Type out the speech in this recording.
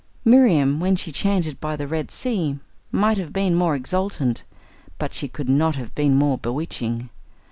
Miriam, when she chanted by the Red Sea might have been more exultant, but she could not have been more bewitching.